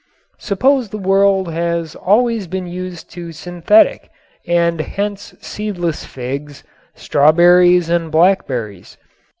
Suppose the world had always been used to synthetic and hence seedless figs, strawberries and blackberries.